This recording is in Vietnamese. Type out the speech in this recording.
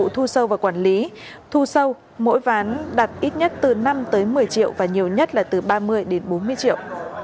thu sâu mỗi ván đặt ít nhất từ năm một mươi triệu và nhiều nhất là từ ba mươi bốn mươi triệu